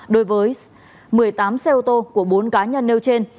đối với một mươi tám xe ô tô của bốn cá nhân nêu trên